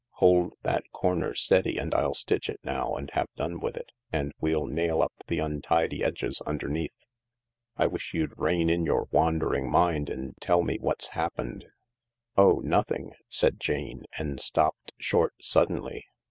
Hold that corner steady and I'll stitch it now and have done with it, and we'll nail up the untidy edges underneath." " I wish you'd rein in your wandering mind and tell me what's happened." " Oh, nothing," said Jane, and stopped short suddenly.